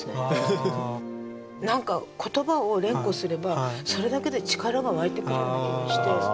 何か言葉を連呼すればそれだけで力が湧いてくるような気がして。